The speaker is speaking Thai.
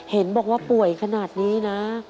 เห็นบอกว่าป่วยขนาดนี้นะ